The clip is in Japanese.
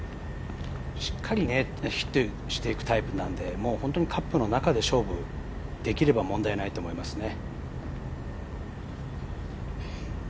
しっかりヒットしていくタイプなんで本当にカップの中で勝負できれば問題ないと思いますね。